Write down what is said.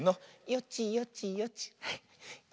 よちよちよち。